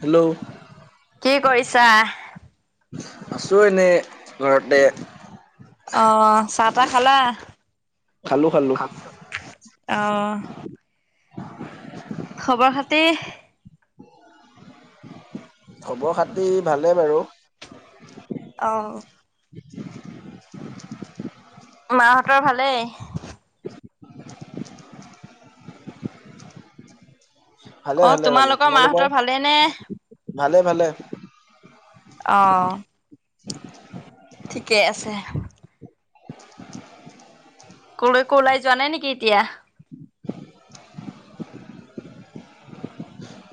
Hello. কি কৰিছা? আছোঁ এনেই ঘৰতে। অঁহ চাহ তাহ খালা? খালোঁ খালোঁ অঁহ' খবৰ খাতি- খবৰ খাতি ভালেই বাৰু। অঁ' মাহঁতৰ ভালেই। [inaudible] ভালে অ', ভালে ভালে। তোমালোকৰ? মাহঁতৰ ভালেইনে? ভালে ভালে। অঁ' ঠিকেই আছে। কলৈকো ওলাই যোৱা নাই নেকি এতিয়া।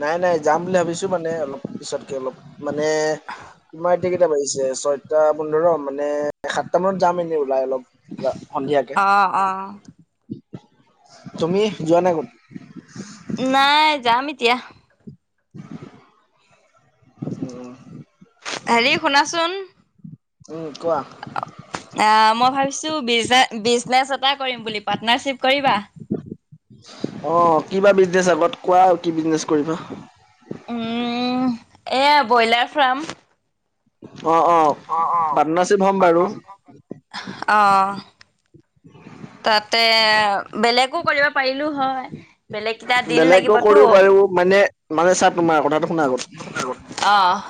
নাই নাই যাম বুলি ভাবিছো মানে অলপ পিছতকে অলপ মানে তোমাৰ- এতিয়া কেইটা বাজিছে ছয়টা পোন্ধৰ মানে সাতটা মানত যাম এনেই ওলাই অলপ। সন্ধিয়াকে আ অ', অ'। তুমি যোৱা নাই কতো? নাই যাম এতিয়া। অঁ' হেৰি শুনাচোন? উম' কোৱা। আঁ মই ভাবিছো বিজনেচ এটা কৰিম বুলি পাৰ্টনাৰশ্বিপ কৰিবা। অঁ কিবা বিজনেচ আগত কোৱা আৰু কি বিজনেচ কৰিবা? উম' এয়া ব্ৰইলাৰ ফাৰ্ম। অঁ অঁ পাটনাৰশ্বিপ হ'ম বাৰু। অঁ তাতে বেলেগো কৰিব- পাৰিলো হয়, বেলেগ- কেইটা দিন বেলেকেও কৰিব লাগিবতো পাৰ মানে, মানে চা তোমাৰ কথাটো শুনা আগত। অঁ'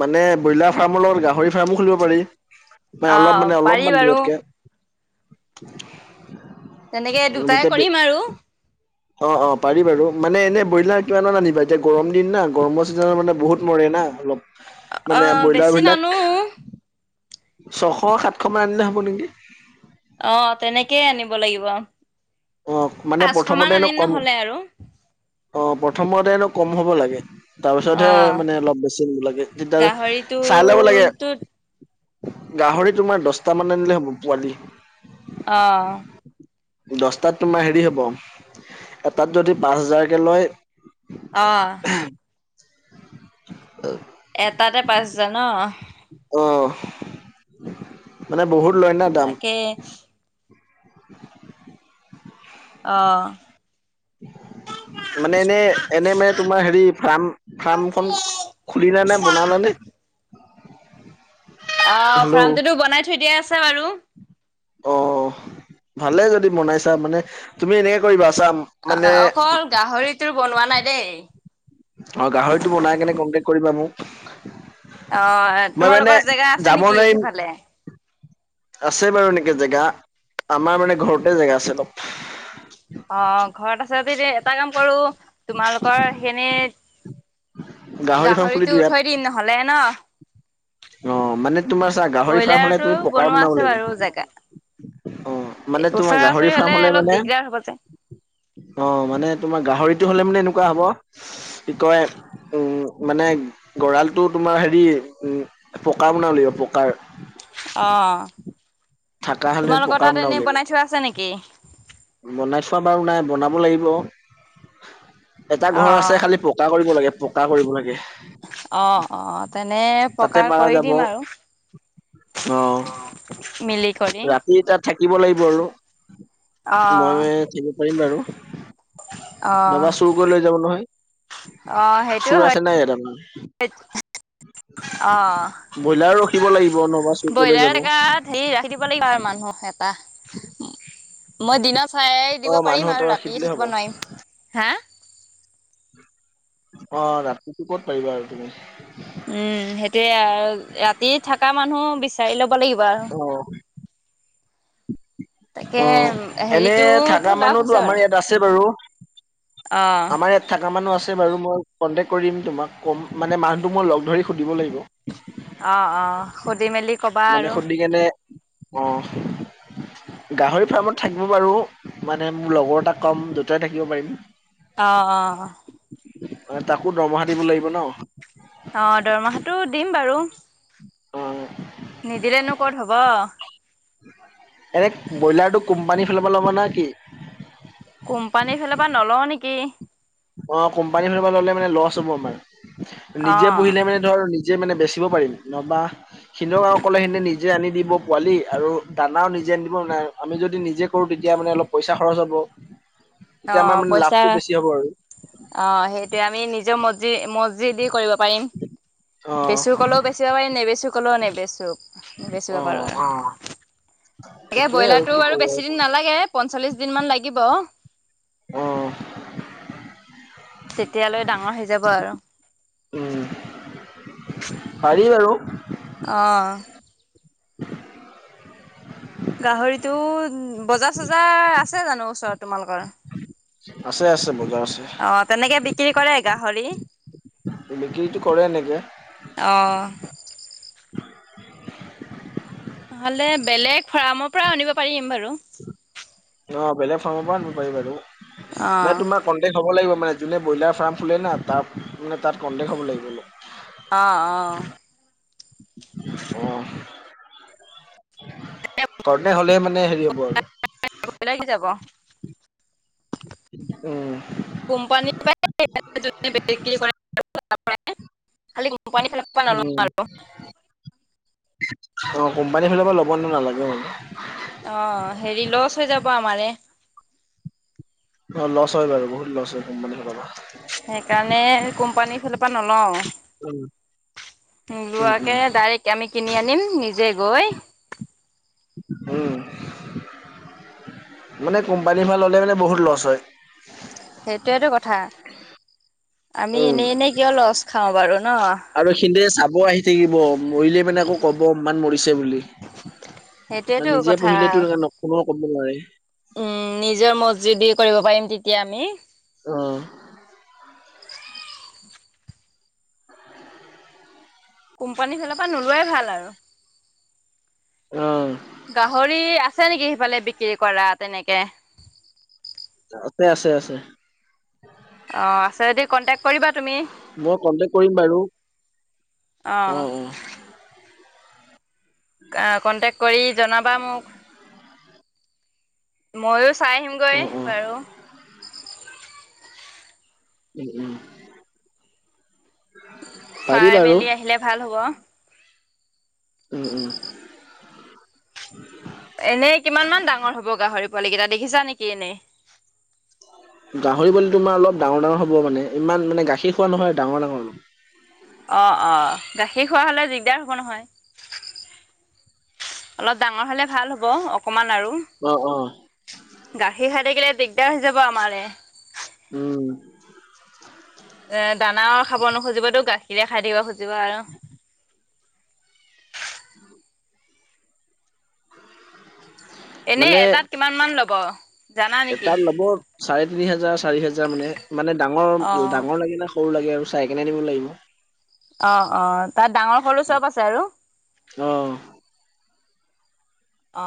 মানে ব্ৰইলাৰ ফাৰ্মৰ লগত গাহৰি ফাৰ্মো খুলিব পাৰি মে অলপ অহ মানে পাৰি অলপমান বাৰু দূৰতকে। তেনেকে উম' দুটাই তেতিয়া বে- কৰিম আৰু অঁ অঁ পাৰি বাৰু মানে এনে ব্ৰইলাৰ কিমান আনিবা? এতিয়া গৰম দিন না গৰমৰ চিজনৰ মানে বহুত- মৰে না অলপ। মানে অ ব্ৰইলাৰ বেছি বিলাক- নানো ছশ সাতশ মান আনিলে হ'ব নেকি? অঁ' তেনেকেই আনিব লাগিব। অঁ মানে পাঁচশ মান প্ৰথমতেনো আনিম কম, নহ'লে আৰু অঁ প্ৰথমতেনো কম হ'ব লাগে। অ তাপাছতহে মানে অলপ বেছি নিব লাগে, তেতিয়া চাই ল'ব লাগে। গাহৰিটোটোত গাহৰি তোমাৰ দছটামান আনিলে হ'ব পোৱালি। অঁ' দছ- তাত তোমাৰ হেৰি হ'ব, এটাত যদি পাঁচ হাজাৰকে লয়- অঁ' অগ- এটাতে পাঁচ হাজাৰ ন। অঁ' মানে বহুত লয় না। দাম তাকে, - [inaudible] অঁ' মানে এনেই এনেই মানে তোমাৰ হেৰি ফাৰ্ম ফাৰ্মখন- খুলিলা নে, বনালা নে? অ', হেল্ল' ফাৰ্মটোতো বনাই থৈ দিয়াই আছে বাৰু। অ', ভালে যদি বনাইছা মানে তুমি এনেকে কৰিবা চা মানে অ-অকল গাহৰিটো বনোৱা নাই দেই। অ', গাহৰিটো বনাই কেনে কনটেক কৰিবা মোক। অ', মই মানে তোমালোকৰ জেগা আছে যাব নেকি নোৱাৰিম সিফালে? আছে বাৰু এনেকে জেগা, আমাৰ মানে ঘৰতে জেগা আছে অলপ। অ', ঘৰত আছে যদি যে এটা কাম কৰো তোমালোকৰ সখিনি গাহৰি ফাৰ্ম খুলিলো গাহৰিটো উ ইয়াত থৈ দিম নহলে ন। অ', মানে তোমাৰ চা গাহৰি ফাৰ্ম হলে ব্ৰইলাৰটো তুমি পকাৰ বনোৱা বনাব আছে বাৰু লাগিব, জেগা। অ',। মানে তোমাৰ ওচৰা ওচৰি গাহৰি ফাৰ্ম হলে অলপ মানে দিগদাৰ হ'ব যে। অ', মানে তোমাৰ গাহৰিটো হলে মানে এনেকুৱা হব কি কয় উম, মানে গৰালটো তোমাৰ হেৰি উম পকা বনাব লাগিব পকাৰ। অ', থাকা হ'লে তোমালোকৰ পকাৰ তাত বনাব এনেই লাগিব। বনাই থোৱা আছে নেকি? বনাই থোৱা নাই মানে বনাব লাগিব, এটা ঘৰ আছে অ'। খালি প পটা কৰিব লাগে পকা কৰিব লাগে। অ', অ', তেনে তাতে পকাৰ পাৰা কৰি যাব দিম আৰু। অ', মিলি কৰি। ৰাতি তাত থাকিব লাগিব আৰু। মই অ', থাকিব পাৰিম বাৰু অ', নাইবা চুৰ কৰি লৈ যাব অ', নহয়। সেইটো চুৰ হয় আছে নাই? অ'। [unintelligible] ব্ৰইলাৰ ৰখিব লাগিব নহবা চুৰ কৰি লৈ যাব। হে ৰাখি দিব লাগিব [unintelligible] মানুহ এটা, মই দিনত চাই অ দিব মানুহ পাৰিম এটা আৰু ৰাখি ৰাতিয়ে দিলেই থাকিব হ'ব নোৱাৰিম, হা। অ', ৰাতিটো ক'ত পাৰিবা আৰু তুমি। উম, সেইটোয়ে আৰু ৰাতি থকা মানুহ বিচাৰি ল'ব লাগিব আৰু। অ'। তাকে অ', এনে থাকা হেৰিটোতো লাভ মানুহতো হৈছে আমাৰ বাৰু ইয়াত আছে অ'। থকা মানুহ আছে বাৰু মই কণ্টেক্ট কৰি দিম তোমাক কম, মানে মানুহটো মোক লগ ধৰি সুধিব লাগিব। অ', অ', সুধি মেলি কবা আৰু। [unintelligible] অ'। গাহৰি ফাৰ্মত থাকিব পাৰো, মানে মোৰ লগৰ এটা কম দুটাই থাকিব পাৰিম। অ', অ'। মানে তাকো দৰমহা দিব লাগিব ন। অ', দৰমাহাটো দিম বাৰু। অ'। নিদিলেনো ক'ত হব। এনে ব্ৰইলাৰটো কোম্পানীৰ ফালৰ পৰা ল'বা নে কি? কোম্পানীৰ ফালৰ পৰা নলওঁ নেকি। অ', কোম্পানী ফাল পৰা ললে মানে লছ হ'ব আমাৰ, নিজে অ', পুহিলে মানে ধৰ নিজে মানে বেচিব পাৰিম নবা [unintelligible] নিজে আনি দিব পোৱালি আৰু দানাও নিজে আন দিব নাই আমি যদি নিজে কৰো তেতিয়া মানে অলপ পইচা খৰচ হ'ব, তেতিয়া আমাৰ অ', মানে পইচা লাভটো বেছি হ'ব আৰু। অ', সেইটোৱে আমি নিজৰ মজজি-মজজি দি কৰিব পাৰিম, অ বেচো ক'লেও বেচিব পাৰিম নেবেচো কলেও নেবেচি বেচিব অ পাৰো আৰু, তাকে এইটোয়ে ব্ৰইলাৰটো কি আৰু কৰো বেছি দিন নালাগে। পঞ্চল্লিছ দিনমান লাগিব। অ'। তেতিয়ালৈ ডাঙৰ হৈ যাব আৰু। উম, পাৰি বাৰু। অ'। গাহৰিটো বজাৰ চজাৰ আছে জানো ওচৰত তোমালোকৰ? আছে আছে বজাৰ আছে। অ', তেনেকে বিক্ৰী কৰে গাহৰি? বিক্ৰীটো কৰে এনেকে অ'। নহ'লে বেলেগ ফাৰ্মৰ পৰা আনিব পাৰিম বাৰু। অ', বেলেগ ফাৰ্মৰ পৰা আনিব পাৰি বাৰু, [unintelligible] অ' তোমাক কনটেক হ'ব লাগিব মানে যোনে বইলাৰ ফাৰ্ম খুলে না তাত মানে তাত কনটেক হ'ব লাগিব। অলপ অ', অ'। অ', কৰণে হ'লে মানে হেৰি হব আৰু। [unintelligible] কি যাব? উম। কোম্পানী পায় [unintelligible] উম, অ', কোম্পানীৰ ফালৰ পৰা ল'ব নে নালাগে মানে। অ', হেৰি লচ হৈ যাব আমাৰে। অ', লছ হয় বাৰু বহুত লছ হয় কোম্পানীৰ ফালৰ পৰা। সেইকাৰণে কোম্পানীৰ ফালৰ পৰা নলওঁ। উম। উম লোৱাকে উম ডাইৰেক্ট আমি কিনি আনিম নিজে গৈ উম, মানে কোম্পানীৰ পা ল'লে মানে বহুত লচ হয়। সেইটোৱেতো কথা, আমি উম। এনেই এনেই কিয় লছ খাওঁ বাৰু ন'। আৰু সিদে চাব আহি থাকিব মৰিলে মানে আকৌ ক'ব ইমান মৰিছে বুলি। সেইটোয়েতো বা নিজে কথা পুঢ়িলেটো [unintelligible] কেনেও ক'ব নোৱাৰে। উম, নিজৰ মৰজিদি কৰিব পাৰিম তেতিয়া আমি। অ'। কোম্পানীৰ ফালৰ পৰা নোলোৱাই ভাল আৰু। অ'। গাহৰি আছে নেকি সিফালে বিক্ৰী কৰা তেনেকে? আছে আছে আছে। অ', আছে যদি কণ্টেক কৰিবা তুমি, মই কন্টেক কৰিম বাৰু অ'। আ, কণ্টেক কৰি জনাবা মোক। মইয়ো চাই আহিমগৈ অ অ। বাৰু। উম, উম। পাৰি চাই বাৰু মেলি আহিলে ভাল হ'ব আও। উম, উম। এনেই কিমান মান ডাঙৰ হ'ব গাহৰি পোৱালি কেইটা দেখিছা নেকি এনেই? গাহৰি পোৱালি তোমাৰ অলপ ডাঙৰ ডাঙৰ হব মানে ইমান মানে গাখীৰ খোৱা নহয় ডাঙৰ ডাঙৰ [unintelligible] অ', অ', গাখীৰ খোৱা হ'লে দিগদাৰ হ'ব নহয়। অলপ ডাঙৰ হ'লে ভাল হ'ব অকণমান আৰু। অ, অ। গাখীৰ খাই থাকিলে দিগদাৰ হৈ যাব আমাৰে। উম। এ দানাও খাব নোখোজিবতো গাখীৰে খাই থাকিব খুজিব আৰু। এনে মানে এটাত কিমান মান লব? জানা নেকি তাত ল'ব চাৰে তিনি হাজাৰ চাৰি হেজাৰ মানে। মানে অ ডাঙৰ ডাঙৰ লাগিলে সৰু লাগে আৰু চাইকেনে আনিব লাগিব। অ, অ, তাত ডাঙৰ সৰু চব আছে আৰু। অ।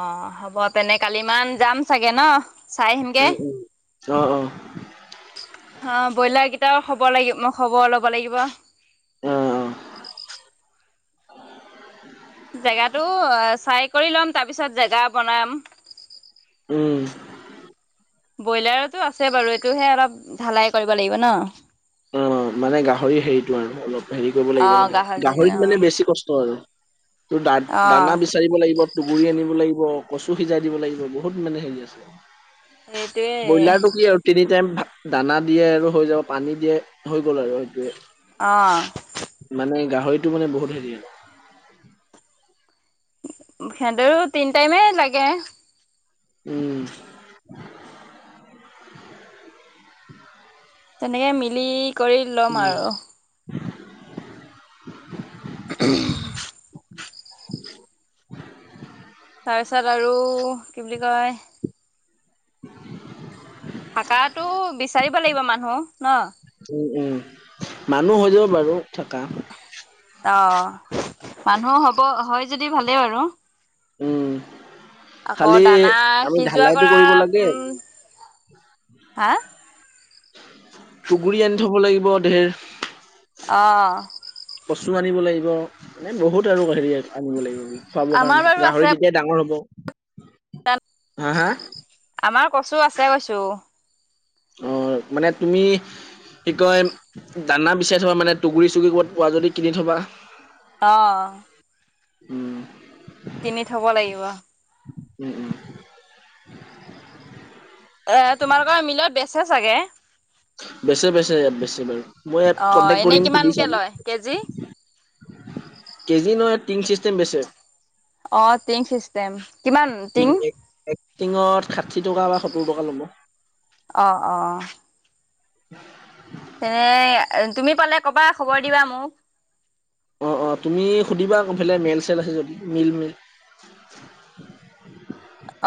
অ, হ'ব তেনে কালি মান যাম চাগে ন, চাই আহিমগে? উম উম অ অ অ ব্ৰইলাৰ কেইটাও খব লাগিব মই খবৰ ল'ব লাগিব। এ, অ'। জেগাতো চাই কৰি ল'ম, তাৰপিছত জেগা বনাম। উম। ব্ৰইলাৰতো আছে বাৰু এইটোহে অলপ ঢালাই কৰিব লাগিব ন। অ' মানে গাহৰি হেৰিটো আৰু অলপ হেৰি কৰিব অ লাগিব মানে, গাহৰি অ গাহৰিত মানে বেছি কষ্ট আৰু। টো দা অ দানা বিচ চাৰিব লাগিব, টুহগুৰি আনিব লাগিব, কচু সিজাই দিব লাগিব, বহুত মানে হেৰি আছে। সেইটোৱে ব্ৰইলাৰ টো কি আৰু তিনি টাইম দানা দিয়ে আৰু হৈ যাব, পানী দিয়ে হৈ গ'ল আৰু সেইটোৱেই। অঁ। মানে গাহৰিটো মানে বহুত হেৰি আৰু। সিহ'তৰো তিনি টাইমে লাগে। উম। তেনেকে মিলি কৰি ল'ম উম আৰু। [unintelligible] [inaudible] তাৰছত আৰু কি বুলি কয়। [inaudible] থাকাটো বিচাৰিব লাগিব মানুহ ন? উম উম, মানুহ হৈ যাব বাৰু থাকা। অ', মানুহ হ'ব হয় যদি ভালেই বাৰু। উম, আকৌ খালি দানা আমি সিজোৱা ঢালাইটো কৰা কৰিব লাগে। উম হা টুগুৰি আনি থব লাগিব ঢেৰ। অ' কচু আনিব লাগিব। মানে বহুত আৰু হেৰি আনিব লাগিব খুৱাব আমাৰ কাৰণে বাৰু আছে গাহৰি তিয়া ডাঙৰ হব। হা হা? আমাৰ কচু আছে কৈছো। অ', মানে তুমি কি কয় দানা বিচাৰি থ'বা মানে। টুহগুৰি চুগুৰি ক'ৰবত পোৱা যদি কিনি থ'বা। অ' উম কিনি থব লাগিব। উম উম। এ তোমালোকৰ মিলত বেচে চাগে? বেচে বেচে ইয়াত বেচে বাৰু, মই অ ইয়াত কন্টেক এনেই কৰিম সুধি কিমানকে চাম। লয় কেজি কেজি নহয় টিং চিষ্টেম বেচে। অ' টিং চিষ্টেম। টিং এক টিঙত ষাঠি টকা বা সত্তৰ টকা ল'ব। অ অ তেনে তুমি পালে কবা খবৰ দিবা মোক। অ' অ' তুমি সুধিবা আকৌ সেইফালে মে'ল চে'ল আছে যদি মিল মিল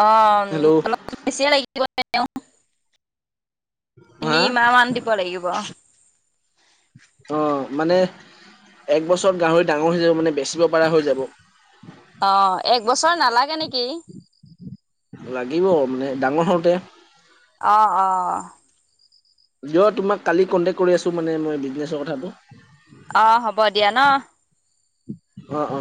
অ হেল্ল' অলপ বেছিয়ে লাগিব এনেও তিনি হা মাহ মান দিব লাগিব। অ' মানে এক বছৰত গাহৰি ডাঙৰ হৈ যাব মানে বেচিব পৰা হৈ যাব। অ এক বছৰ নালাগে নেকি? লাগিব, মানে ডাঙৰ হওতে। অ অ দিয় তোমাক কালি কণ্ট্ৰেক্ট কৰি আছো মানে মই বিজনেছৰ কথাটো। অ' হ'ব দিয়া ন। অ' অ